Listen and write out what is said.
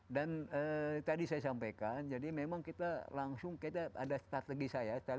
dan tadi saya sampaikan jadi memang kita langsung ada strategi saya